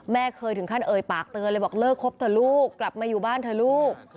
เคยถึงขั้นเอ่ยปากเตือนเลยบอกเลิกคบเถอะลูกกลับมาอยู่บ้านเถอะลูก